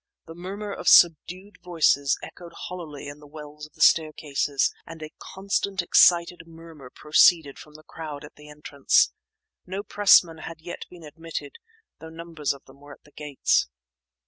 The murmur of subdued voices echoed hollowly in the wells of the staircases, and a constant excited murmur proceeded from the crowd at the entrance. No pressmen had yet been admitted, though numbers of them were at the gates.